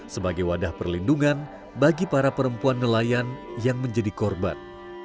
sebagai wadah perlindungan bagi para perempuan nelayan yang menjadi korban